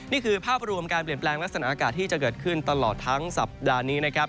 นี่คือภาพรวมการเปลี่ยนแปลงลักษณะอากาศที่จะเกิดขึ้นตลอดทั้งสัปดาห์นี้นะครับ